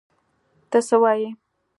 ته څه وایې!؟